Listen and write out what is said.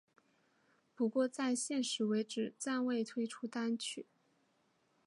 不过在现时为止暂未推出单曲。